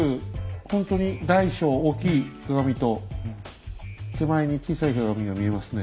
ほんとに大小大きい鏡と手前に小さい鏡が見えますね。